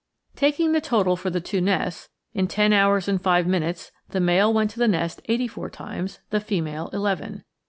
Taking the total for the two nests: in ten hours and five minutes the male went to the nest eighty four times; the female, eleven.